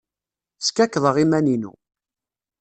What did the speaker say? Skakkḍeɣ iman-inu.